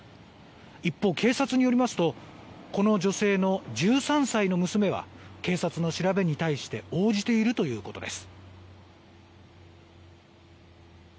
一方、警察によりますとこの女性の１３歳の娘は警察の調べに対して応じているということです。